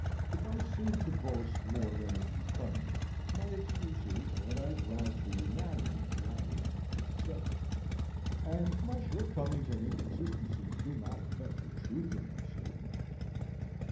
If I seem to boast more than is becoming, my excuse is that I brag for humanity rather than for myself; and my shortcomings and inconsistencies do not affect the truth of my statement.